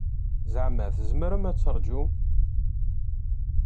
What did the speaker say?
Zeɛma tzemrem ad taṛǧum?